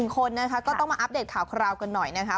คนนะคะก็ต้องมาอัปเดตข่าวคราวกันหน่อยนะคะ